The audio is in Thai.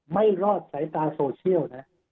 ไม่รอดสายตาโซเชียลนะ